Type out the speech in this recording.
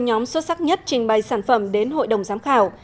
một mươi nhóm xuất sắc nhất trình bày sản phẩm đến hội đồng giám khảo